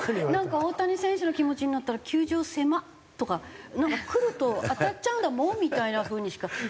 大谷選手の気持ちになったら球場狭っ！とかくると当たっちゃうんだもんみたいな風にしか。